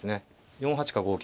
４八か５九。